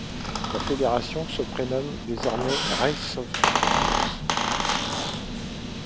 La fédération se prénomme désormais Races de France.